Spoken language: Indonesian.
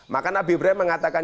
maka nabi ibrahim mengatakan